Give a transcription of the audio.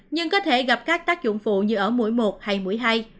nhưng có thể gặp các tác dụng phụ như ở mũi một hay mũi hai